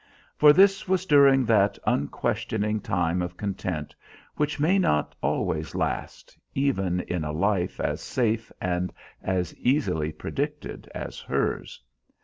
For this was during that unquestioning time of content which may not always last, even in a life as safe and as easily predicted as hers.